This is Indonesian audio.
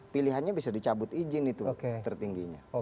pilihannya bisa dicabut izin itu tertingginya